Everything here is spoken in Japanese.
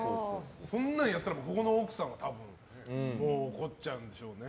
そんなんやったらここの奥さんは多分、怒っちゃうんでしょうね。